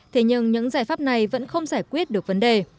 thế nhưng những giải pháp này vẫn không giải quyết được vấn đề